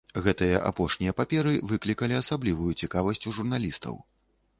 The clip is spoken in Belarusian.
Гэтыя апошнія паперы выклікалі асаблівую цікавасць у журналістаў.